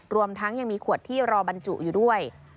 รวมทั้งยังมีขวดที่รอบรรจุอยู่ด้วย